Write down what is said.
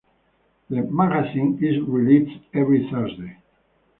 The magazine is released every Thursday.